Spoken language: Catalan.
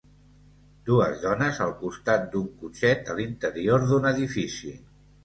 Dues dones al costat d'un cotxet a l'interior d'un edifici.